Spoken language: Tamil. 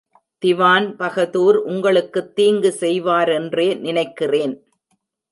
திவான் பகதூர் உங்களுக்குத் தீங்கு செய்வாரென்றே நினைக்கிறேன்.